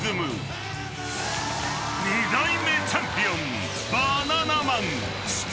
［２代目チャンピオン］